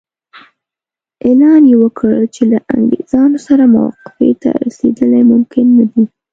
اعلان یې وکړ چې له انګریزانو سره موافقې ته رسېدل ممکن نه دي.